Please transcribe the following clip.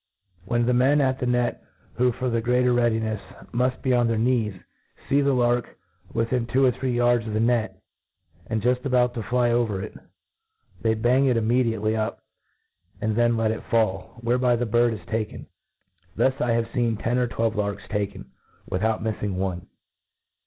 When the men at the net, who, for the greater readinefs, muft be on their knees, fee the lark within tvfo or three yards of the ne^ and juft about to fly over it, they bang it imme ; diately up^ and then let it fall, whereby the bird is taken. Thus Ihave feen ten or twelve larks taken, without miffing one.